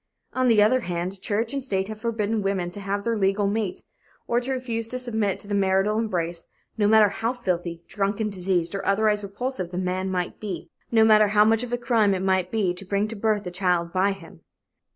On the other hand, church and state have forbidden women to leave their legal mates, or to refuse to submit to the marital embrace, no matter how filthy, drunken, diseased or otherwise repulsive the man might be no matter how much of a crime it might be to bring to birth a child by him.